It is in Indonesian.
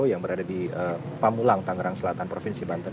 yang berada di pamulang tangerang selatan provinsi banten